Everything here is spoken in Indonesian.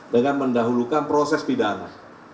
dengan mendahulukan proses pidana